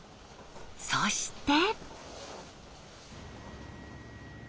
そして。